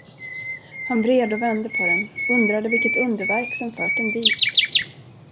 Han vred och vände på den, undrade, vilket underverk som fört den dit.